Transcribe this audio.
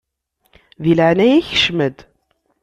Di leɛnaya-k kcem-d!